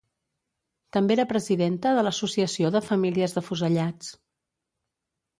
També era presidenta de l'Associació de Famílies d'Afusellats.